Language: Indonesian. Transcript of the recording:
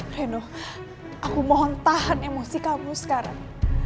reno aku mohon tahan emosi kamu sekarang